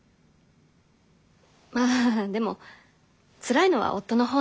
まあでもつらいのは夫のほうなので。